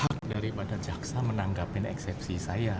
hak daripada jaksa menanggapi eksepsi saya